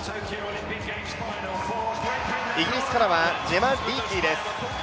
イギリスからはジェマ・リーキーです。